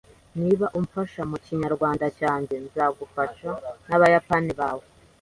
Niba umfasha mukinyarwanda cyanjye, nzagufasha nabayapani bawe.